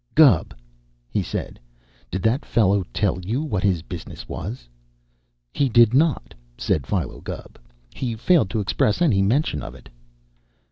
"Gubb," he said, "did that fellow tell you what his business was?" "He did not," said Philo Gubb. "He failed to express any mention of it."